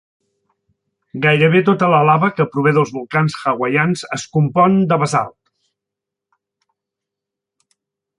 Gairebé tota la lava que prové dels volcans hawaians es compon de basalt.